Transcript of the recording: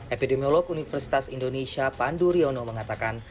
epidemiolog universitas indonesia pandu riono mengatakan